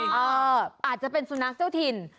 อาจจะเป็นสุนัขเจ้าถิ่น